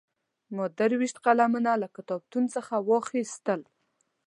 ما درې ویشت قلمونه له کتابتون څخه واخیستل.